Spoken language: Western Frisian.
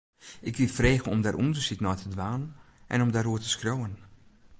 Ik wie frege om dêr ûndersyk nei te dwaan en om dêroer te skriuwen.